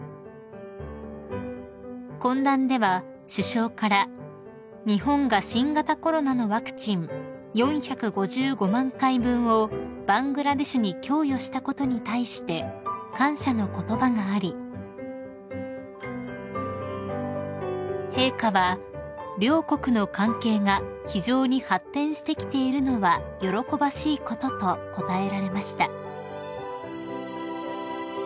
［懇談では首相から日本が新型コロナのワクチン４５５万回分をバングラデシュに供与したことに対して感謝の言葉があり陛下は「両国の関係が非常に発展してきているのは喜ばしいこと」と応えられました］